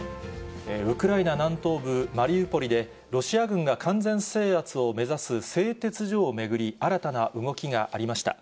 ウクライナ南東部マリウポリでロシア軍が完全制圧を目指す製鉄所を巡り、新たな動きがありました。